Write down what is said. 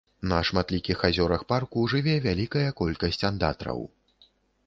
На шматлікіх азёрах парку жыве вялікая колькасць андатраў.